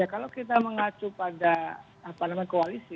ya kalau kita mengacu pada apa namanya koalisi